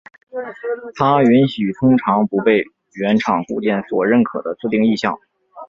它允许通常不被原厂固件所认可的自定义项。